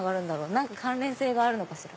何か関連性があるのかしら？